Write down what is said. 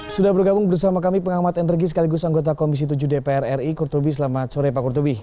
sudah bergabung bersama kami pengamat energi sekaligus anggota komisi tujuh dpr ri kurtubi selamat sore pak kurtubi